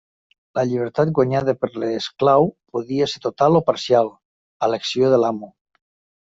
La llibertat guanyada per l'esclau podia ser total o parcial, a elecció de l'amo.